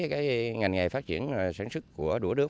cái ngành nghề phát triển sản xuất của đũa đước